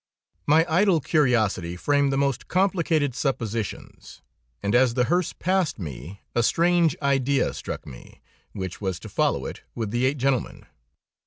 My idle curiosity framed the most complicated suppositions, and as the hearse passed me, a strange idea struck me, which was to follow it, with the eight gentlemen.